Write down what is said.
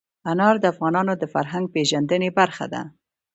انار د افغانانو د فرهنګي پیژندنې برخه ده.